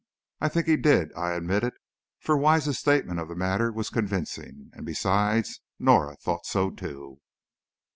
"I think he did," I admitted, for Wise's statement of the matter was convincing, and beside, Norah thought so, too.